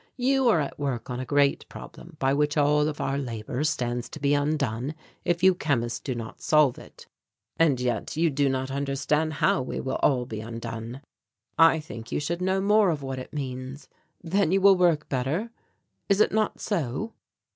You are at work on a great problem by which all of our labour stands to be undone if you chemists do not solve it, and yet you do not understand how we will all be undone. I think you should know more of what it means, then you will work better. Is it not so?"